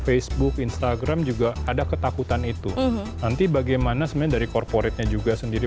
facebook instagram juga ada ketakutan itu nanti bagaimana sebenarnya dari korporatnya juga sendiri